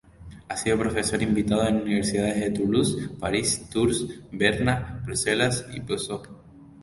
Ha sido profesor invitado en universidades de Toulouse, París, Tours, Berna, Bruselas y Passau.